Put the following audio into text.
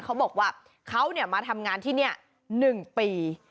เขาบอกว่าเขามาทำงานที่นี่๑ปี